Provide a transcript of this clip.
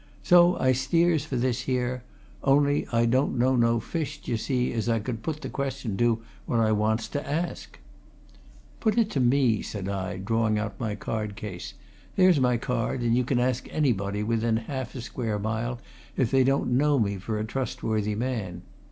"So I steers for this here; only, I don't know no fish, d'ye see, as I could put the question to what I wants to ask." "Put it to me," said I, drawing out my card case. "There's my card, and you can ask anybody within half a square mile if they don't know me for a trustworthy man.